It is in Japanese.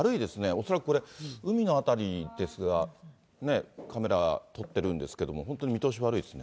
恐らくこれ、海の辺りですが、カメラ撮ってるんですが、本当に見通し悪いですね。